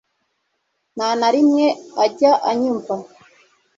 Nta na rimwe ajya anyumva